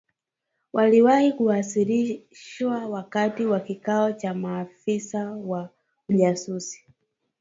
waliwahi kuwasilishwa wakati wa kikao cha maafisa wa ujasusi